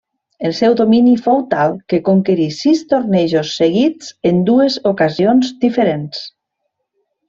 El seu domini fou tal, que conquerí sis tornejos seguits en dues ocasions diferents.